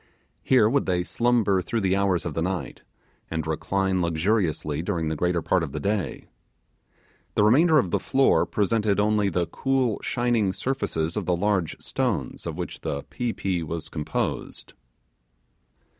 Here would they slumber through the hours of the night, and recline luxuriously during the greater part of the day. The remainder of the floor presented only the cool shining surfaces of the large stones of which the 'pi pi' was composed.